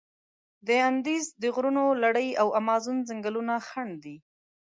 د اندیز د غرونو لړي او امازون ځنګلونه خنډ دي.